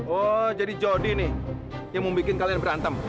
oh jadi jody nih yang membuat kalian berantem